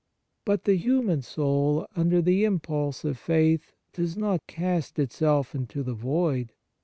But the human soul, under the impulse of faith, does not cast itself into the void.